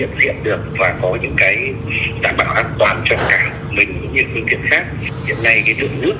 trong thời gian vừa qua